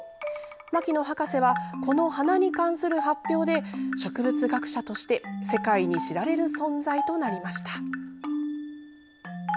牧野博士はこの花に関する発表で植物学者として世界に知られる存在となりました。